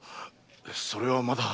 それはまだ。